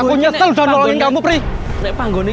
aku nyetel sudah nolongin kamu